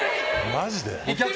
マジで？